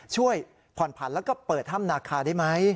ช่วยผ่อนผันแล้วก็เปิดถ้ำนาคาได้ไหม